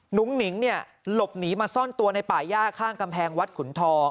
หงิงเนี่ยหลบหนีมาซ่อนตัวในป่าย่าข้างกำแพงวัดขุนทอ